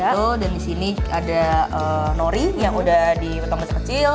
betul dan di sini ada nori yang udah ditombus kecil